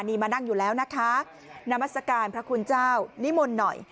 นี่มานั่งอยู่แล้วนะคะนามัศกาลพระคุณเจ้านิมนต์หน่อย